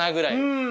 うん。